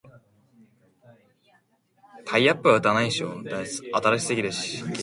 Most charted ocean depths use an average or standard sound speed.